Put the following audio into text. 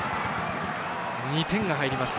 ２点が入ります。